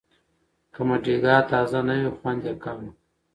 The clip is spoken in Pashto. که مډیګا تازه نه وي، خوند یې کم وي.